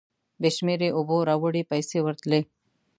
بې شمېرې اوبو راوړې پیسې ورتلې.